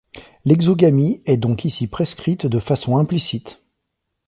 L'exogamie est donc ici prescrite de façon implicite.